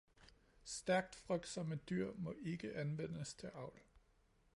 Stærkt frygtsomme dyr må ikke anvendes til avl.